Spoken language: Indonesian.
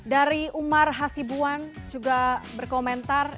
dari umar hasibuan juga berkomentar